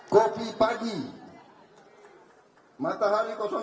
kopi pagi matahari kosong